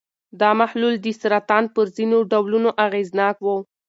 دا محلول د سرطان پر ځینو ډولونو اغېزناک و.